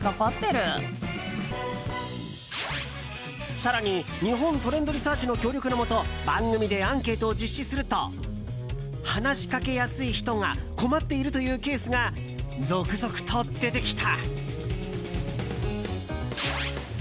更に、日本トレンドリサーチの協力のもと番組でアンケートを実施すると話しかけやすい人が困っているというケースが続々と出てきた。